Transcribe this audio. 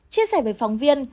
chia sẻ với phóng viên